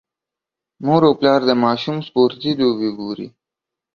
مور او پلار د ماشوم سپورتي لوبې ګوري.